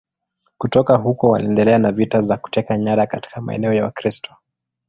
Kutoka huko waliendelea na vita za kuteka nyara katika maeneo ya Wakristo.